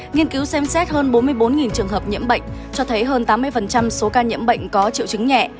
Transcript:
nghiên cứu xem xét hơn bốn mươi bốn trường hợp nhiễm bệnh cho thấy hơn tám mươi số ca nhiễm bệnh có triệu chứng nhẹ